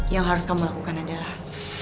yang harus kamu lakukan adalah